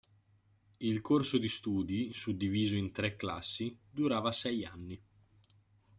Il corso di studi, suddiviso in tre classi, durava sei anni.